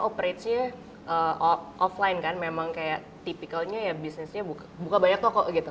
operage nya offline kan memang kayak tipikalnya ya bisnisnya buka banyak toko gitu